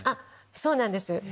そうなんです。